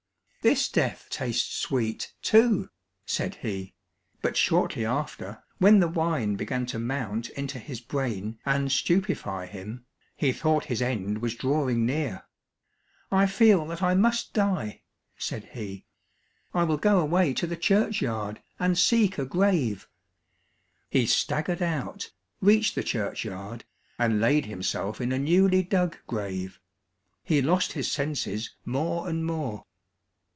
"This death tastes sweet too," said he, but shortly after when the wine began to mount into his brain and stupefy him, he thought his end was drawing near. "I feel that I must die," said he, "I will go away to the churchyard, and seek a grave." He staggered out, reached the churchyard, and laid himself in a newly dug grave. He lost his senses more and more.